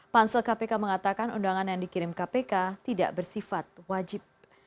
pansel kpk mengatakan undangan yang dikirim kpk tidak bersifat wajib